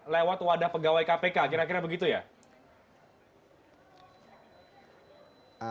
lewat wadah pegawai kpk kira kira begitu ya